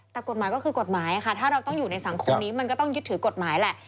แต่กฎหมายก็คือกฎหมายค่ะถ้าเราต้องอยู่ในสังคมนี้มันก็ต้องยึดถือกฎหมายแหละ